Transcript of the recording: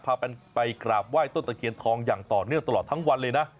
พากันไปกราบไหว้ต้นตะเคียนทองอย่างต่อเนื่องตลอดทั้งวันเลยนะ